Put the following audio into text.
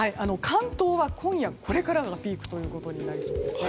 関東は今夜、これからがピークとなりそうです。